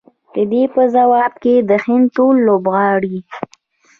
د دې په ځواب کې د هند ټول لوبغاړي